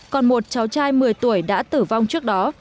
còn một cháu trai một mươi tuổi đã tử vong trước đó